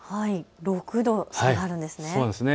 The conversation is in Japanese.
６度下がるんですね。